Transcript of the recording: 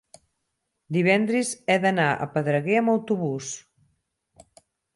Divendres he d'anar a Pedreguer amb autobús.